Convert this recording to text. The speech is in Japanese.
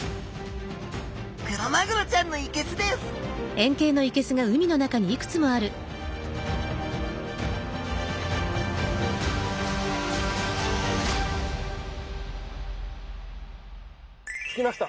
クロマグロちゃんのいけすです着きました。